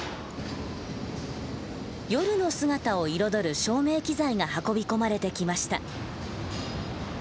夜の姿を彩る照明機材が運び込まれてきました。